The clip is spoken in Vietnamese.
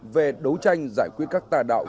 về đấu tranh giải quyết các tài đạo